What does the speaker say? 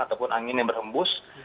ataupun angin yang berhembus